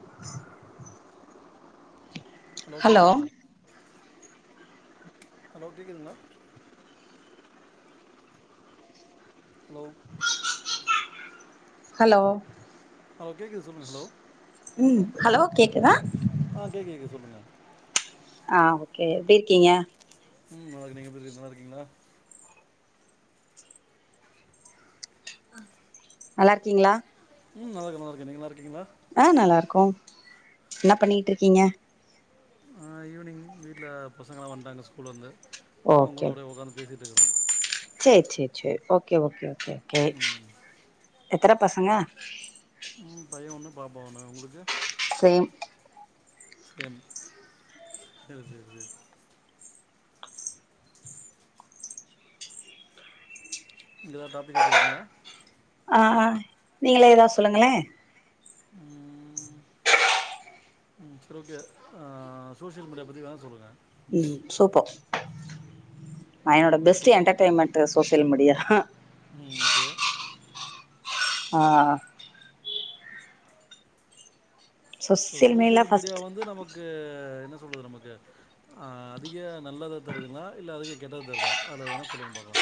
[inaudible] Hello கேக்குதுங்கலா hello கேக்குதுங்கலா hello hello hello கேக்குது சொல்லுங்க ஹலோ ம் ஹலோ கேக்குதா ஆ கேக்கு கேக்கு சொல்லுங்க ஆ ஓகே எப்டி இருக்கீங்க ம் நல்லாருக்கே நீங்க எப்டி இருக்கீங் நல்லாருக்கீங்களா நல்லாருக்கீங்களா ம் நல்லாருக்கே நல்லாருக்கே நீங்க நல்லாருக்கீங்களா ஆ நல்லாருக்கோ என்ன பண்ணிட்ருக்கீங்க ம் ஈவினிங் வீட்ல பசங்கெல்லா வந்ட்டாங்க ஸ்கூல்லருந்து அவங்க கூட அப்டியே உட்காந்து பேசிட்டு இருக்றோ sir sir sir okay okay கெ கே ம் [inaudible] க்கற பசங்க ம் பையே ஒண்ணு பாப்ப ஒண்ண உங்களுக்கு சேம் செம் செரி செரி செரி நீங்க ஏதாவது டாபிக் வச்சிருக்கீங்ளா ஆ ஆ நீங்களே ஏதாவு சொல்லுங்களே ம் ம் செரி ஓகே ஆ சோசியல் மீடியா பத்தி வேண சொல்லுங்க ம் சூப்பர் அ என்னோட பெஸ்ட்டு எண்டர்டைன்மெண்டுஸ் சோசியல் மீடியா ஹ்ம் ம் ஒகே ஆ சோ மீடியால சோசியல் மீடியா ஃபர்ஸ்ட் வந்து நமக்கு என்ன ரு உள்ளது நமக்கு அ அதிக நல்லத தருதுங்களா இல்ல அதிக கெட்டத தருதா அதுல வேணா சொல்லுங்க பாக்கலா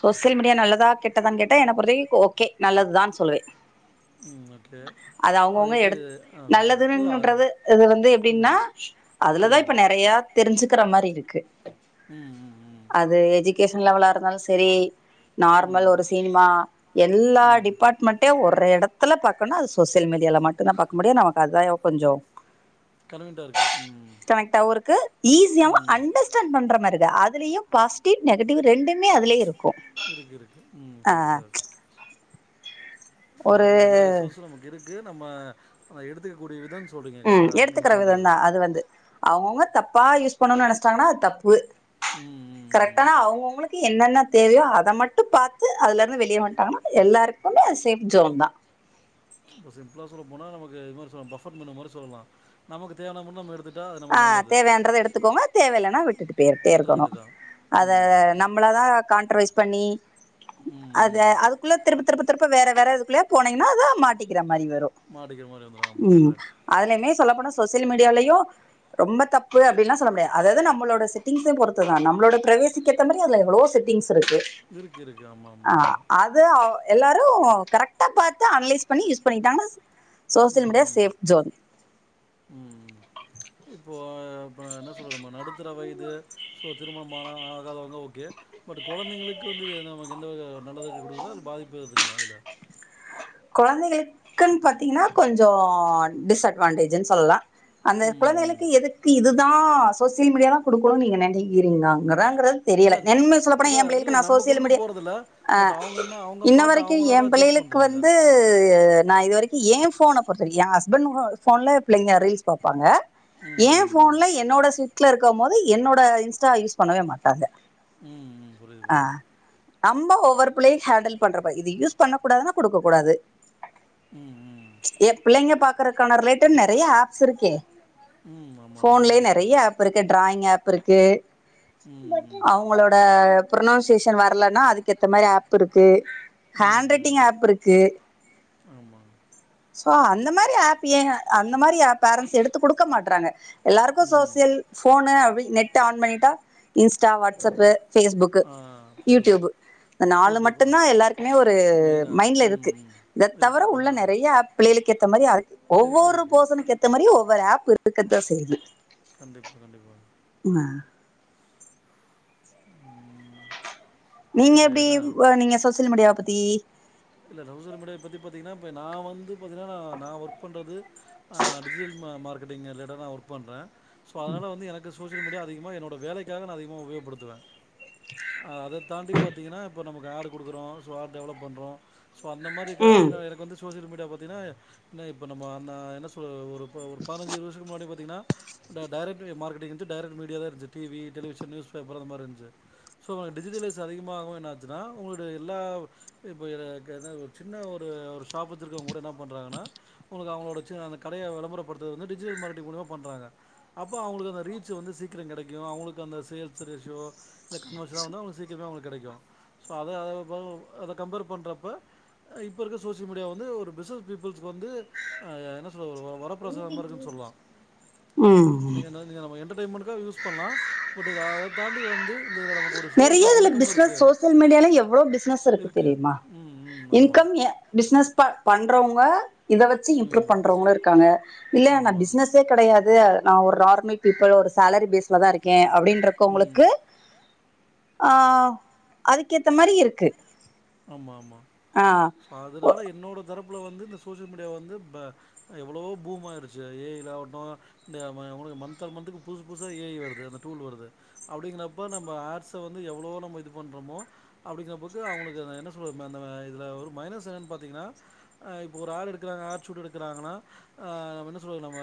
சோசியல் மீடியா நல்லதா கெட்டதானு கேட்ட என்ன ஒரே ஓகே நல்லதுதான்னு சொல்லுவே ம். ஓகே. அது அவுங்கவுங்க எப்படி எடு ஆ சொல்லுங்க. இல்ல நல்லதுன்றது இது வந்து ம். எப்டின்னா அதுலதா ம். இப்ப நெறைய தெரிஞ்சிக்கிற மாரி க்கு ம் ம் ம் [unintelligible] லெவலா இருந்தாலு செ செரி நார்மல் ம். ஒரு சினிமா எல்லா ம். டிபார்ட்மெண்ட்டே ஒர் எட த்துல பாக்கம்னா அது சோசியல் மீடியால மட்டும்தா பாக்க முடியு நமக்கு அதாயோ கொஞ்சோ கன்வீனியன்ட்டா இருக்கு. ம். கனெக்ட் ஆவுருக்கு ஈஸியாவ ம். அண்டர்ஸ்டாண்ட் பண்ற மாரிக் [inaudible] அதுலயு பாசிட்டிவ் நெகட்டிவ் ரெண்டுமே அதுலயு இருக்கு இருக்கு ம் கரெக்ட் கரெக்ட் ஒரு க்கு நம்ம அ எடுத்துக்கக்கூடிய விதம் ம் எடுத்துக்கற விதம்தா அது வந்து அவங்கவுங்க தப்பா யூஸ் பண்ணுன்னு நெனைச்சிட்டாங்கன்னா அது தப்பு ம். ம். ம். கரெக்டான அவுங் அவுங்ளுக் [unintelligible] என்னென்ன தேவையோ அத மட்டு பாத்து அதுல இருந்து வெளிய வந்டாகன்னா எல்லாருக்குமே அது அது சேஃப் சோன் தா இப்ப சிம்பிளா சொல்ல போனா நமக்கு இது மேரி சொல்லா பபெட் மெனு மாறி சொல்லலா நமக்கு தேவனா மட்டு நம்ம எடுத்து ஆ தேவைன்றத எடுத்துக்கோங்க தேவ இல்லன்னா விட்டுட்டு போய்டே விட்ற இருக்கணு வேண்டியதான். அத ம். தா நம்மள தா கான்ட்ராவைஸ் பண்ணி ம், அது ம். அதுக்குள்ள திருப்ப திருப்ப திருப்ப வேற வரதுக்குள்ளே போனீங்னா தா மாட்டிக்கிற மாரி வரு மாட்டிக்கிற மாரி வந்துரும். ஆமா ம் கரெக்ட். அதுலயுமே சொல்லப்போனா சோசியல் மீடியாவ்லயு ரொம்ப தப்பு அப்டில்லா சொல்ல முடியாத் அதாவ்து நம்மளோட செட்டிங்ஸ பொறுத்து தா நம்ளோட ப்ரைவேசிக்கேத்த மாரி அதுல எவ்ளோ செட்டிங்ஸ் இருக்கு இருக்கு, இருக்கு. ஆமா, ஆ ஆமா, ஆமா. அது அவ் எல்லாரு கரெக்ட்டா பாத்து அன்லைஸ் பண்ணி யூஸ் பண்ணிட்டாங்ன்னா சோசியல் மீடியா ம், ம். சேஃப் ஜோன் ம். இப்போ அ இப்போ நா என்ன சொல்லுறமா நடுத்தர வய்து சோ திருமணம் ஆனா ஆ காதவுங்க ஓகே பட் கொழந்தைங்ளுக்கு வந்து என்ன நமக் எந்த வக நல்லத கு குடுக்துங்ளா இல்ல பாதிப்பு துங்ளா அதுல கொழந்தைக்களுக்குன் பாத்தீங்கன்னா கொஞ்சோ டிஸ்அட்வான்டேஜ்ன்னு சொல்லா அந்த ம், ம். குழந்தைகளுக்கு எதுக்கு இது தா சோசியல் மீடியா தா குடுக்கோனுன் நீங்க நெனைக்கறீங்ளாங்கறே ல்றதுன் தெரியல இல்ல நன்மே சொல்லப்போனா அதான் இல்ல எம்பிள்ளைகளுக்கு நா நம்ம சோசியல் குடுக்க மீடியா போறதில்ல. அ பட் அவங்க என்ன அவங்க இன்ன பார்த்து வரைக்கு அவங்களா தான் சூஸ் எம்பிள்ளைகளுக் வந் பண்றாங்க. து நா இது வரைக்கு ஏ ஃபோன பொறுத்த வரிக்கு ஏ ஹஸ்பண்ட் ஒ ஃபோன்ல பிள்ளைங்க ரீல்ஸ் பாப்பாங்க ம் ஏ ம் ம் ஃபோன்ல என்னோட ஸ்ரிட் லருக்கும் போது என்னோட இன்ஸ்டா யூஸ் பண்ணவே மாட்டாங்க ம் ம் புரிது புரிது நம்ம ஒவ்வொரு பிள்ளயு ஹேண்டில் பண்றப்ப இது யூஸ் பண்ண கூடாதுனா குடுக்க கூடாது ம் ம் எ பிள்ளைங்க பாக் கறக்கான ரிலேட்டட் நெறைய ஆப்ஸ் இருக்கே ம் ஆமா ஆமா ஃபோன்லே கண்டிப்பா நெறைய ஆப் இருக்கு ட்ராயிங் ஆப் இருக் கே ம் ம் அவுங்களோட ப்ரொனொன்சேஷன் வர்லனா அதுகேத்த மாரி ஏப் இருக்கு ம் ஹேண் ம் ரைட்டிங் ஏ ப்ருக்கு ஆமா சோ அந்த மாரி ஏப் ஏ அந்த மாரி ஏப் பேரண்ஸ் எடுத்து குடுக்க மாட்றாங்க எல்லாருக்கு ம் சோசியல் ஃபோனு அபி நெட் ஆன் பண்ணிட்டா இன்ஸ்டா வாட்ஸ்அப்பு ஃபேஸ்புக்கு ஆ ஃபேஸ்புக் யூடியூப்பு இந்த நாலு யூடியூப் ஆ மட்டுந்தா எல்லாருக்குமே ஒரு மெயினா ன்ல ம் இருக்கு ம் இத தவர இருக்கு ஆ உள்ள நெறைய ஏப் பிள்ளைகளுக்கேத்த மாரியா [unintelligible] இருக்கு ஒவ்வொரு இருக்கு பர்சனுகேத்த மாரியு ஒவ்வரு ஏப் இருக்கத்தா செய்து கண்டிப் கண்டிப்பா ம்மா ம் இப்ப நீங்க இப்ப எப்டி ஏன்னா வ நீங்க சோசியல் மீடியாவ ப த்தி இல்ல [unintelligible] மீடியா பத்தி பாத்தீங்கனா இப்ப நா வந்து பாத்தீனா நா ஒர்க் பண்றது அ டிஜிட்டல் ம மார்க் கெட்டிங் ரிலேட்டா நா ஒர்க் பண்றே சோ அதனால வந்து எனக்கு சோ சியல் மீடியா அதிகமா என்னோட வேலைக்காக நா அதிகமா உபயோகப்படுத்துவே அ அத தாண்டி பாத்தீங்கனா இப்பொ நமக்கு ஏடு குடுக்குறோ சோ ஏடு டெவலப் பண்றோ சோ அந்த மாரி இதுக்காவ ம் என எனக்கு வந்து சோசியல் மீ டியா பாத்தீனா ந இப்ப நம்மோ ந என்ன சொல் ஒரு ப்ப ஒரு பதனெஞ்சு இருவது வருஷத்துக்கு முன்னாடி பா த்தீங்னா ந்த டைரக்ட் மார்க்கெட்டிங் இஞ்சு டைரக்ட் மீடியா தா இருஞ்ச்சு டி வி டெலிவிசன் நியூஸ்பேப்பரு அந்த மாரி இஞ்சு சோ டிஜிட்டலைஸ் அதிகமாவு என்னாச்சுன்னா உங்ளோட எல்லா இ இப்போ எனக்கென்ன ஒரு சின்ன ஒரு ஒரு ஷாப் வெச்சிருக்கவங் கூட என்ன பண்றாங்கன்னா உங்ளுக்கு அவுங்களோட ச்ச அந்த கடைய விளம்பரப்படுத்தறது வந்து டிஜிட்டல் மார்க்கெட்டிங் மூலிமா பண்றாங்க அப்போ அவுங்களுக்கு அந்த ரீச்சு வந்து சீக்கிரங் கெடைக்கு அவுங்களுக்கு அந்த சேல்ஸ் ரேஷியோ இல்ல கன்வர்ஷனா வந்து அவுங்களுக் சீக்கிரமே அவுங்களுக் கெடைக்கு சோ அத அதவு பவு அத கம்பேர் பண்றப்ப இப்போ இருக்க சோசியல் மீடியா வந்து ஒரு பிசினஸ் பீப்புள்ஸ்க்கு வந்து அ என்ன சொல்றது ஒரு வ வரப்பிரசாதமா இருக்குன் சொல்லா ம் நீங்கனா நீங்க நம்ம என் ண்டடைமண்டுக்காவ் யூஸ் பண்லா பட் இது அத தாண்டி வந்து இந்த இதுல நம நெறைய அதுல பிசினஸ் சோசியல் மீடியால எவ்ளோ பிசினஸ் இருக்குது தெரியுமா ம் ம் ஆமாம் இன்கம் எ பிசினஸ் ப பண்றவுங்க இத வெச்சி இம்ப்ரூவ் ம் பண்றவங்களு இருக்காங்க இல்ல நா ஆமாம் பிசினஸே கெடயா து நா ஒர் ரார்மல் பீப்பிள் ஒரு சேலரி பேஸ்ல தா இருக்கே ம் அப்டின்ருக்கவுங்களுக்கு ஆ அதுக்கேத்த மாரி இருக்கு ஆமா ஆமா ஆ அதனால என்னோட தரப் புல வந்து இந்த சோசியல் மீடியா வந்து ப்ப எவ்ளோவோ பூம்மர் ரிசர்வாயி ஏ ஐ யில ஆவட்டு இந்த ம ஒனக்கு மந்த் ஆன் மந்த்துக்கு புது புதுசா ஏ ஐ வருது அந்த டூல் வருது அப்டிங்கிறப்ப நம்ப ஆட்ஸ வந்து எவ்ளேவோ நம்ம இது பண்ணுறோமோ அப்டிங்கிறப்போது அவுங்களுக்கு இதுல நா என்ன சொல்றது இந்த வ இதுல ஒரு மைனஸ் என்னன்னு பாத்தீங்ன்னா அ இப்போ ஒரு ஆடு எடுக்கறாங்க ஆட் சூட் எடுக்கறாங்கன்னா அ என்ன சொல்லி நம்ம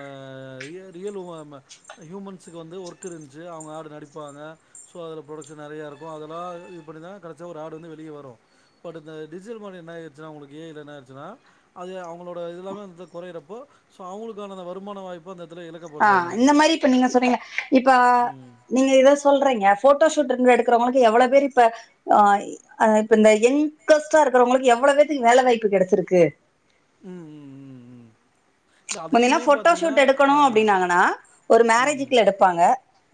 ரியல் ரியல் ஹூம்ம ஹியூமன்ஸுக்கு வந்து ஒர்க் இருந்துச்சு அவங்க ஆடுல நடிப்பாங்க ஸோ அதுல ப்ரொடக்ஷன் நெறையாருக்கு அதெல்லா இது பண்ணி தா கடைசியா ஒரு ஆடு வந்து வெளியே வரு பட் இந்த டிஜிட்டல் மார்க்கெட்டிங் என்னாயிருச்சுன்னா உங்களுக்கு ஏ ஐல என்ன ஆச்சுன்னா அது அவங்களோட இதுலம வந்து கொறையறப்போ சோ அவுங்களுக்கான வருமான வாய்ப்பு அந்த இடத்துல ஆ இழக்கப்படுது அவங்களுக்கு. இந்த மாரி இப்ப நீங்க சொல்றீங்க இப்ப ம். நீங்க இத சொல்றீங்க போட் டோ ஷூட் எடுக்கறவங்களுக்கு எவ்வளவு பேரு இப்ப அ இ அ இப்ப இந்த எங்கஸ்டா இருக்கறவங்களுக்கு எவ்வளவு பேத்துக்கு வேலை வாய்ப்பு கெடச்சிருக்கு ம் ம் ம் ம் இல்ல முன்னேலா அதையுமே போட்டோ பாத்தீங்கன்னா ஷீட் எடுக்கணு ஆ, அப்டின்னாங்கனா ஒரு ம். மேரேஜ்க்கி எடுப்பாங்க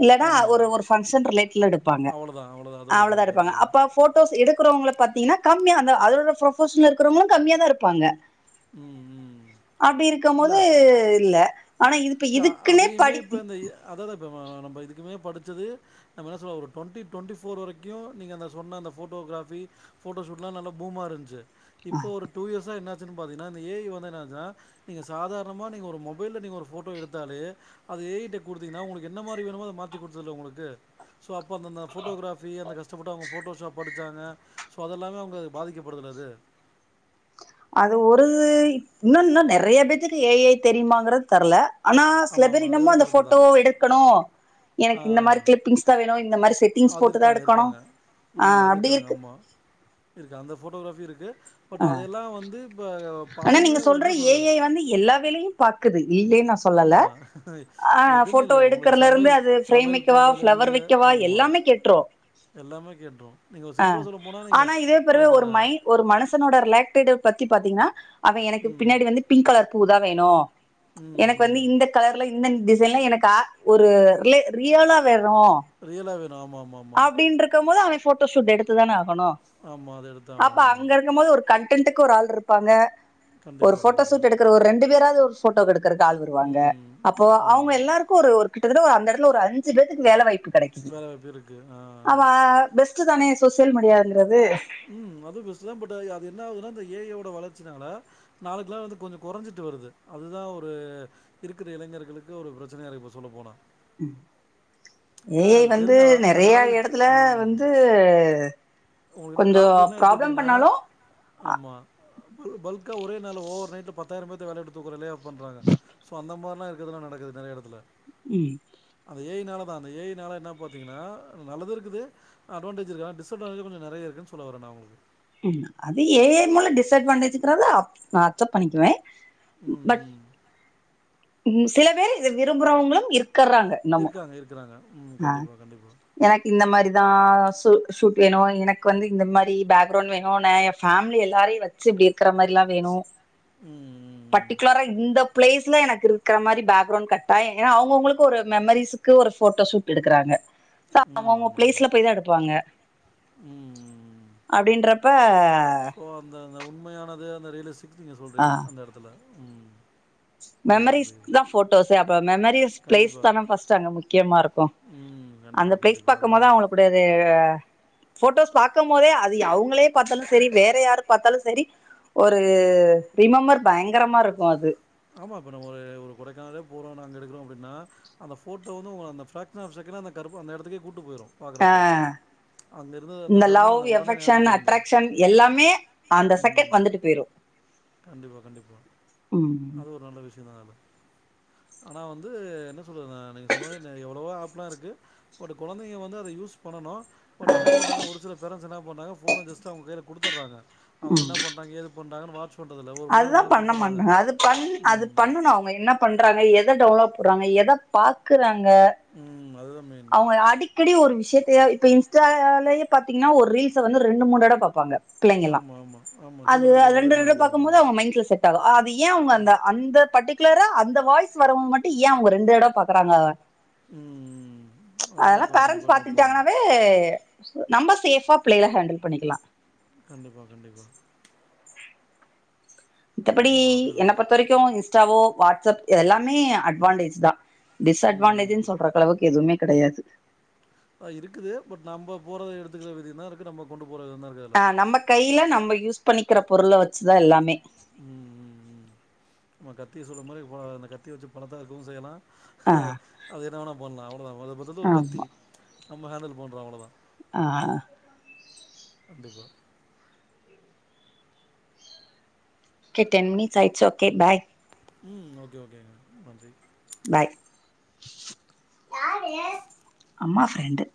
இல்லனா ஆமா. ஒரு ஒரு பங்க்ஷன் ரிலேட்ல எடுப்பாங்க அவ்வளதான், அவ்வளதான். அதோட அவ்ளோ தா சரி. எடுப்பாங்க கரெக்ட்டு தான். அப்போ போட்டோஸ் எடு க்கறவங்க பாத்தீங்கன்னா கம்மியாதா அ அதோட ப்ரொபஷனல் இருக்கறவங்களு கம்மியா தா இருப்பாங்க ம் அப்டி ம் இருக்கும் போது இல்ல இல்ல ஆனா இதுப்ப இல்ல இதுக்குன்னே அதையுமே படி மே படிச்சது நம்ம என்ன சொல்லலா ஒரு டுவெண்ட்டி டுவெண்ட்டி ஃபோர் வரைக்கு நீங்க அந்த சொன்ன அந்த ஃபோட்டோகிரஃபி ஃபோட்டோஷூட்லா நல்ல பூமாருந்துச்சு இப்போ ஒரு டூ இயர்ஸா என்னா பாத்தீங்ன்னா அந்த ஏ ஐ வந்ததுனால தா நீங்க சாதாரணமா நீங்க ஒரு மொபைல்ல நீங்க ஒரு போட்டோ எடுத்தாலே அது ஏ ஐ ட்ட குடுத்தீங்னா உங்களுக்கு என்ன மாதிரி வேணுமோ அத மாத்தி குடுத்துருதுல உங்களுக்கு சோ அப்ப அந்தந்த போட்டோகிராபி அந்த கஷ்டப்பட்டு அவங்க போட்டோ ஷாப் படிச்சாங்க சோ அதெல்லாமே அவங்க பாதிக்கப்படுதுல அது அது ஒரு இன்னு இன்னு நெறைய பேத்துக்கு ஏ ஐ தெரியுமாங்கறது தெர்ல ஆனா சில ஆமா, பேர் ஆமா. அது இன்னமும் வேணா அந்த கரெக்ட்டு போட்டோ தான். எடுக்கணு எனக்கு இந்த மாதிரி ஆ. கிளிப்பிங்ஸ் தா வேணு இந்த மாதிரி செட்டிங்ஸ் அது போட்டுதா இருக்காங்க எடுக்கணு இருக்காங்க ஆ ம் அது அப்டிருக்கு டோகிராஃபி இருக்கு பட் அ அதெல்லாம் வந்து இப்ப ஆனா பதினே நீங்க ஒரு சொல்ற என்ன ஏ சொல்றது ஐ வந்து எல்லா வேலையு பாக்குது இல்லைன்னு நா சொல்லல ஆமா ஆ எதுன்னு ஃபோட்டோ இல்ல உனக்கு எடுக்கறல இருந்து சமையல் அது ஃப்ரேம் சமையல் வைக்கவா பண்றதுல ஃப்ளவர் இருந்து வைக்கவா ஆமா எல்லாமே கேட்ரு எல்லாமே கேட்ரு நீங்க ஆ சிம்பிளா சொல்ல போனா நீங்க உங்க லேட்டடு பத்தி பாத்தீங்ன்னா அவ எனக்கு ம் பின்னாடி வந்து பிங்க் கலர் பூதா வேணு ம் எனக்கு வந்து ம் இந்த கலர்ல இந்த டி சைன்லா எனக்கு அ ஒரு ரே ரியலா வே ணு ரியலா வேணும் ஆமா ஆமா ஆமா அப்டின்றருக்கும் போது அவ போட்டோஷீட் எடுத்துதானா ஆமா அது எடுத்துதாகணு ஆமா இருக்கும் போது ஒரு கன்டென்டென்ட்க்கு ஒரு ஆள் இருப்பாங்க ஒரு கண்டிப்பா போட்டோ கண்டிப்பா ஷூட் எடுக்கற ஒரு ரெண்டு பேராது ஒரு சூட்டுக்கெடுத்து அங்கறந்து ஆள் வருவாங்க ம் அப்போ அவங்க ஆமா எல்லாருக்கு ஒரு ஒரு கிட்டதட்ட ஒரு அந்த எடத்துல ஒரு அஞ்சு பேத்துக்கு வேல வாய்ப்பு கெடைக்கிது வேலை வாய்ப்பு இருக்கு ஆ ஆ ஆமா பெஸ்ட் ட்டுதானே சோசியல் மீடியாங்கறது ம் அது பெஸ்ட்டு தா பட் அது என்ன ஆகுதுன்னா அந்த ஏ ஏ ஓட வளர்ச்சினால நாளுக்குல்லா வந்து கொஞ்ச கொறைஞ்சிட்டு வருது அதுதா ஒரு இருக்கிற இளைஞர்களுக்கு ஒரு பிரச்சனையா இப்ப சொல்ல போனா ம் ஏ ஐ வந்து தெரிஞ்ச அ அந்த நாலேஜ் நெறையாஎடத்துல வந்து உங்ககிட்ட கொஞ்சோ கார்பரேட்ல்லா ப்ராப்ளம் எடுத்துக்கிட்டீங்கன்னா பண்ணாலு ஆமா பல்க்கா ஒரே நாள்ல ஓவர் நைட்ல பத்தாயிர பேத்த வேல விட்டு தூக்கற லேஆப் பண்றாங்க அந்தமாரிலா இருக்குல்ல நடக்குது நெறைய எடத்துல ம் ஏ ஐ நாலதா அந்த ஏ ஐ நால என்ன பாத்தீங்கன்னா நல்லது இருக்குது அட்வாண்டேஜ் இருக்கு டிஸ்அட்வாண்டேஜ் கொஞ்ச நெறைய இருக்குன்னு சொல்ல வரே நா உங்களுக்கு ம் அது ஏ ஐ மூல டிஸ்அட்வாண்டேஜ்கிறத அப் நா அக்செப்ட் பண்ணிக்குவே பட் ம் ம் சில பேர் இத விரும்புறவங்களும் இருக் க்குறாங்க இன்னமு இருக்காங்க இருக்குறாங்க ம் ஆ கண்டிப்பா கண்டிப்பா எனக்கு இந்த மாரிதா ஷூ ஷூட் வேணு எனக்கு வந்து இந்த மாரி பேக்கிரவுண்ட் வேணு நா என் ஃபேமிலி எல்லாரையு வச்சு இப்படி இருக்கிற மாரில்லா வேணு ம் ம் ம் பட்டிகுலரா இந்தப் பிளேஸ்ல எனக்கு இருக்கிற மாரி பேக்ரவுண்ட் கட்டாய ஏனா அவங்கஅவங்களுக்கு ஒரு மெமரிஸ்ஸுக்கு ஒரு போட்டோஷூட் எடுக்குறாங்க பா அவங்க ம் அவங்க ஆமா ஆமா பிளேஸ்ல போய்தா எடுப்பாங்க ம் அப்படின்ற ப்ப சோ அந்த உண்மையானது அந்த ரியலிஸ் எப்படிங்க சொல்றீங்க அந்த எடத்துல ம் புரியுது புரியுது மெமரிஸ்க்கு தா போட்டோஸ்ஸே அப்ப மெமரிஸ் பிளேஸ் கண்டிப்பா தான ஃபர்ஸ்ட்டு அங்க முக்கியமா இருக்கு ம் அந்த கண்டிப்பா பிளேஸ் கண்டிப்பா அது பாக்கு போதா அவங்களுக்குடையது போட்டோஸ் பாக்கும்போதே அது அவுங்களே பாத்தாலு சரி வேற யாரு பாத்தாலும் சரி ஒரு ரிமெம்பர் பயங்கரமா இருக்கு அது ஆமா இப்ப நம்ம ஒரு ஒரு கொடைக்கானரே போறோ நாங்க எடுக்குறோ அப்டின்னா அந்த போட்டோ வந்து அந்த பிராக்ஸன் ஆஃப் செகண்ட்ல அந்த கருப்பு அந்த இடத்துக்கே கூட்டு போயிடு அ அந்த இந்த தருணம் லவ் அந்த உடனே எஃபெக்ஷன் ஞாபகத்துக்கு வந்துரும் அட்ராக்ஷன் எல்லாமே அந்த செகண்ட் ம் வந்துட்டு போயிரும் கண்டிப்பா கண்டிப்பா ம் அது ஒரு நல்ல விஷய தான்ல ஆனா வந்து என்ன சொல்றது நானு நீங்க சொன்ன எவ்வளவோ ஆப்லா இருக்கு பட் கொழந்தைங்க வந்து அதை யூஸ் பண்ணணு பட் என்ன பண்ணாங்க ஒரு சில பேரண்ட்ஸ் என்னா பண்ணாங்க ஃபோன ஜஸ்ட் அவங்க கைள குடுத்துறாங்க அவங்க ம் என்ன பண்றாங்க ஏதுப் பண்றாங்கன்னு வாட்ச் பண்றதுல்ல ஒருமண் நேரம் அதுதா ரெண்டுமண் நேரம் பண்ண குடுத்துற்றாங்க மாட்டாங்க அது பண் அது பண்ணனும் அவங்க என்ன பண்றாங்க ஏ எத டவுண்லோ போட்றாங்க எத பாக்குறாங் ங்க ம். அதுதான் மெயின். அவங்கள அடிக்கடி ஒரு வி ஷயத்தயா இப்ப இன்ஸ்டாலாலே பாத்தீங்கனா ஒரு ரீல்ச வந்து ரெண்டு மூணு தடவப்பாபாங்க பிள்ளைகெல்லா ஆமா, ஆமா, ஆமா. அது திரும்ப திரும்ப அது ரெண்டு ரிவைண்ட் பண்ணி ரெண்டு பாப்பாங்க. பாக்கும்போது ஆமா. அவங்க மைண்ட்ல செட் ஆகு அது ஏ அவங்க அந்த அந்த பட்டி க்லரா அந்த வாய்ஸ் வரவங்க மட்டூ ஏ அவங்க ரெண்டு தடவ பாக்குறாங்க ம் ம் ம் அதல்லா பேரன்ட்ஸ் பாத்துகுட்டாங்கன்னாவே சு நம்ம சேஃபா பிள்ளை கல ஹேண்டில் பண்ணிக்கலா கண்டிப்பா கண்டிப்பா மித்தபடி ஆமா, அதுல என்ன பொருத்த வரைக்கோ இன்ஸ் இன்ஸ்டாவோ வாட்ஸ்அப் இது எல்லாமே அட்வான்டேஜ் தா டிஸ் ம், ம். அடவான்டேஜன்னு சொல்றக்களவுக்கு எதுமே கடையாது அ இருக்குது பட் நம்ப போறத எடுத்துக்குற விதி தா இருக்கு நம்ம கொண்டு போற விதம் தான் இருக்கு அதுல. ஆ நம்ம கைல நம் நம்ம யூஸ் பண்ணிக்கிற பொருள வச்சிதா எல்லாமே ம் ம் ம் நம்ம கத்திய சொல்ல மாரி போல அந்த கத்தி வச்சி பணத்த அருக்கவு செய்யலா ஆஹ் அது என்ன வேண்ணா போட்னோ அவளோதா மொதோ மொதல்ல ஒரு கத்தி நம்ம ஹேண்டில் பண்றோ அவ்ளோதா ஆ அப்டி கூட ஒகே டென் மினிட்ஸ் ஆயிட்சி ஓகே பாய் ம் ஓகே ஓகேங்க நன்றி பாய் அம்மா ஃப்ரெண்டு